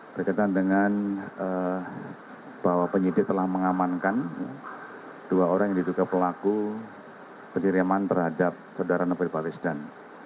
berkaitan dengan bahwa penyidik telah mengamankan dua orang yang diduga pelaku penyiriman terhadap saudara novel paris dan